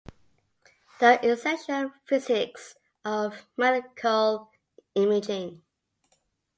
The Essential Physics of Medical Imaging.